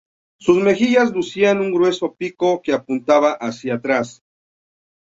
Sus mejillas lucían un grueso pico que apuntaba hacia atrás.